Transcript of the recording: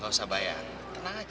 gak usah bayar tenang aja